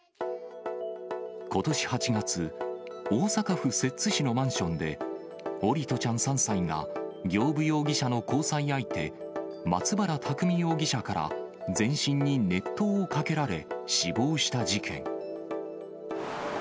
ことし８月、大阪府摂津市のマンションで、桜利斗ちゃん３歳が行歩容疑者の交際相手、松原拓海容疑者から全身に熱湯をかけられ、死亡した事件。